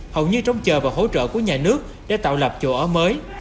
hầu như trống chờ và hỗ trợ của nhà nước để tạo lập chỗ ở mới